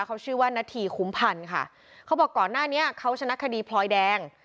เขาชื่อว่านาธีคุ้มพันธ์ค่ะเขาบอกก่อนหน้านี้เขาชนะคดีพลอยแดง